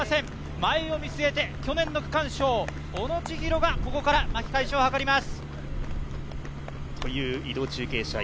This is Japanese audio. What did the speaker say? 前を見据えて去年の区間賞、小野知大がここから巻き返しを図ります。